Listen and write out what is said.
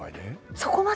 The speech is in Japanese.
そこまで。